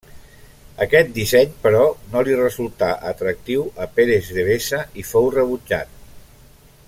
Aquest disseny però, no li resultà atractiu a Pérez Devesa i fou rebutjat.